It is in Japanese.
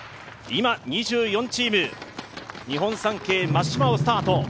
今、２４チーム、日本三景・松島をスタート。